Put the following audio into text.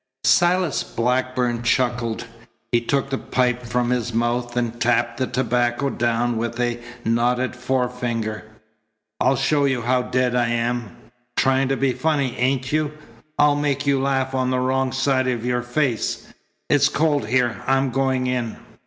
Silas Blackburn chuckled. He took the pipe from his mouth and tapped the tobacco down with a knotted forefinger. "I'll show you how dead I am! Trying to be funny, ain't you? I'll make you laugh on the wrong side of your face. It's cold here. I'm going in."